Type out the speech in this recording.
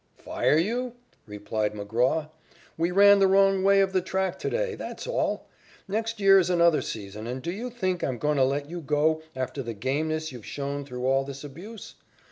"Fire you?" replied McGraw. "We ran the wrong way of the track to day. That's all. Next year is another season, and do you think I'm going to let you go after the gameness you've shown through all this abuse?